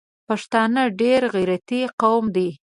پښتانه ډېر غیرتي قوم ده